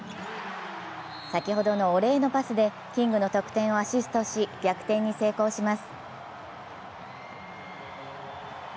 先ほどのお礼のパスでキングの得点をアシストし逆転に成功します。